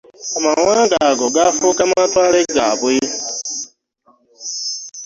Amawanga ago gaafuuka amatwale gaabwe.